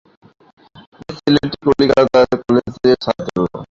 এ ছেলেটি কলিকাতার কলেজের ছাত্র।